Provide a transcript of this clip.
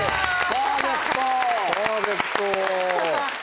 パーフェクト。